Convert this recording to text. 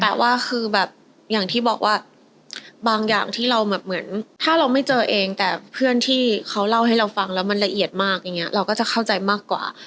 แต่ว่าคือแบบอย่างที่บอกว่าบางอย่างที่เราแบบเหมือนถ้าเราไม่เจอเองแต่เพื่อนที่เขาเล่าให้เราฟังแล้วมันละเอียดมากอย่างนี้เราก็จะเข้าใจมากกว่า